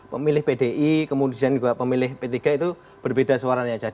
pemilih pdi kemudian juga pemilih p tiga itu berbeda suaranya